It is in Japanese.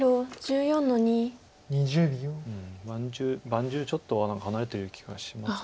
盤１０ちょっとは離れてる気がします